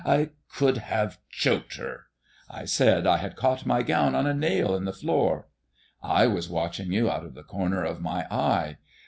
I could have choked her! I said I had caught my gown on a nail in the door. I was watching you out of the corner of my eye.